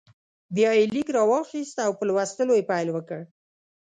بیا یې لیک راواخیست او په لوستلو یې پیل وکړ.